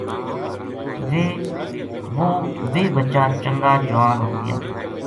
وہ ویہ بچا چنگا جوان ہو گیا